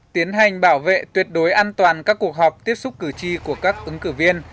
tiến hành bảo vệ tuyệt đối an toàn các cuộc họp tiếp xúc cử tri của các ứng cử viên